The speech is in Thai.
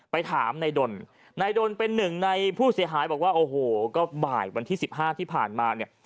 ไปถามนายดนนายดนเป็นหนึ่งในผู้เสียหายบอกว่าโอ้โหก็บ่ายวันที่๑๕ที่ผ่านมาเนี่ย